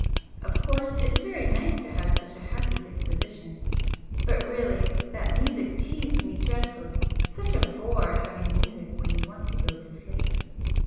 Of course it's very nice to have such a happy disposition but really that music teased me dreadfully. Such a bore having music when you want to go to sleep."